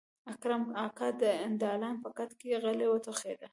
اکرم اکا د دالان په کټ کې غلی وټوخېد.